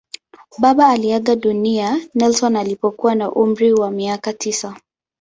Baba aliaga dunia Nelson alipokuwa na umri wa miaka tisa.